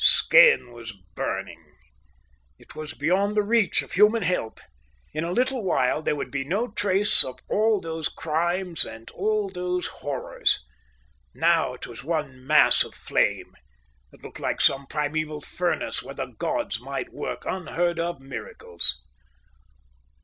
Skene was burning. It was beyond the reach of human help. In a little while there would be no trace of all those crimes and all those horrors. Now it was one mass of flame. It looked like some primeval furnace, where the gods might work unheard of miracles.